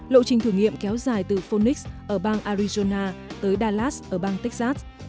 lộ trình thử nghiệm kéo dài từ phoenix ở bang arizona tới dallas ở bang texas